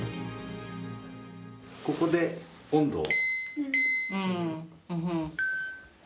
ここで温度を。